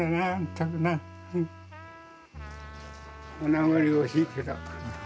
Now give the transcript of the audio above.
名残惜しいけど。